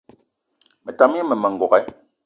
Me tam gne mmema n'gogué